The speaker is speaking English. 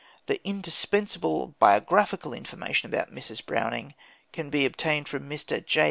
The indispensable biographical information about Mrs. Browning can be obtained from Mr. J.